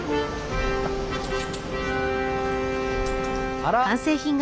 あら。